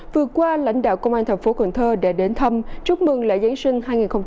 vừa qua lãnh đạo công an thành phố cần thơ đã đến thăm chúc mừng lễ giáng sinh hai nghìn hai mươi bốn